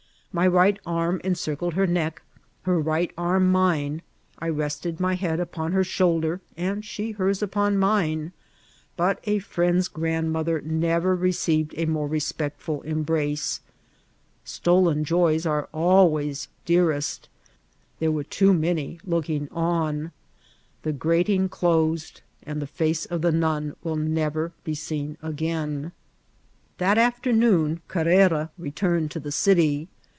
My right arm encircled her neck, her rig^t arm mine; I rested my head upon her shoulder, and she hers upon mine; but a friend's grandmother never received a more respectful embrace. ^^Stcden joys are always dearest;" there were too many looking on. The gra* ting dosed, and the fece oi the nun will never be seen again. That afternoon Carrera returned to the city.